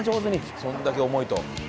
それだけ重いと。